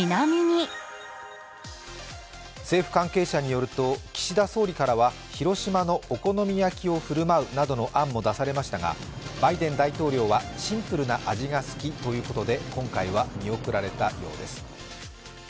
政府関係者によると岸田総理からは広島のお好み焼きを振る舞うなどの案も出されましたがバイデン大統領はシンプルな味が好きということで、今回は見送られたようです。